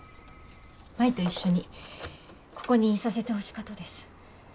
舞と一緒にここにいさせてほしかとです。